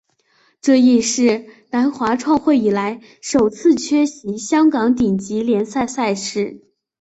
这亦是南华创会以来首次缺席香港顶级联赛赛事。